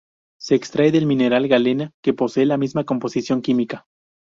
Se extrae del mineral galena que posee la misma composición química.